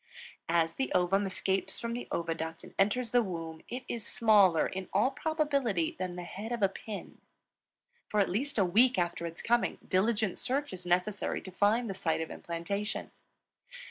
As the ovum escapes from the oviduct and enters the womb, it is smaller, in all probability, than the head of a pin. For at least a week after its coming, diligent search is necessary to find the site of implantation.